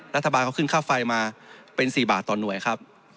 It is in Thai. รัฐบาลเขาขึ้นค่าไฟมาเป็น๔บาทต่อหน่วยครับ